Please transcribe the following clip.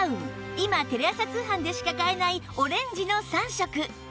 今テレ朝通販でしか買えないオレンジの３色